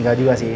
gak juga sih